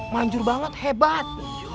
manjur banget hebat